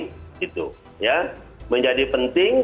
gitu ya menjadi penting